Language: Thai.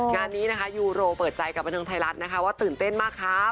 งานนี้นะคะยูโรเปิดใจกับบันเทิงไทยรัฐนะคะว่าตื่นเต้นมากครับ